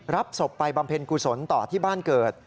รับศพไปบำเพ็ญกุศลต่อที่บ้านเกิด